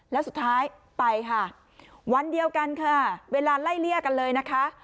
แล้วสุดท้ายไปค่ะวันเดียวกันค่ะเวลาไล่เลี่ยกันเลยนะคะ